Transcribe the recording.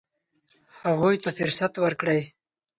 هغوی ته فرصت ورکړئ.